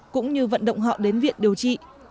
cũng như vận động họ đến viện điều trị